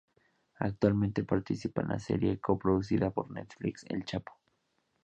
Actualmente participa en la serie, co-producida por Netflix, "El Chapo".